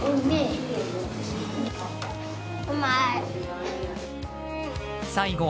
うまい。